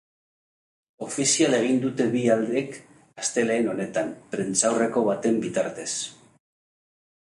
Ofizial egin dute bi aldeek astelehen honetan, prentsaurreko baten bitartez.